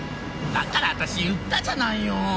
だから私言ったじゃないよ！